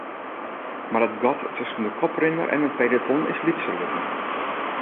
Mar it gat tusken de koprinner en it peloton is lytser wurden.